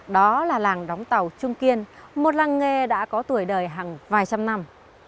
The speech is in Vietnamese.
đó là làng đóng tàu trung kiên một làng nghề đã có tuổi đời hàng vài trăm năm